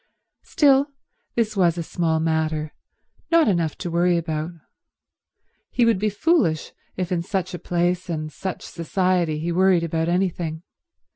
Still, this was a small matter, not enough to worry about. He would be foolish if in such a place and such society he worried about anything.